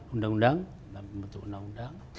undang undang dan membentuk undang undang